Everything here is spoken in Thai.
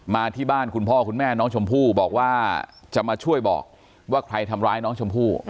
มาที่บ้านคุณพ่อคุณแม่น้องชมพู่บอกว่าจะมาช่วยบอกว่าใครทำร้ายน้องชมพู่